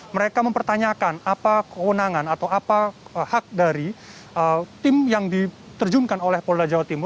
mereka mempertanyakan apa kewenangan atau apa hak dari tim yang diterjunkan oleh polda jawa timur